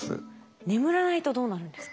眠らないとどうなるんですか？